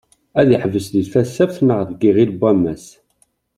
Ad yeḥbes deg Tasaft neɣ deg Iɣil n wammas?